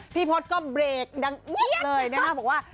พี่พศก็เบรกดังเอี๊ยดเลยนะคะบอกว่า